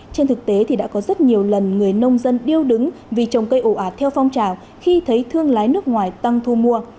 trên thực tế thì đã có rất nhiều lần người nông dân điêu đứng vì trồng cây ổ ạt theo phong trào khi thấy thương lái nước ngoài tăng thu mua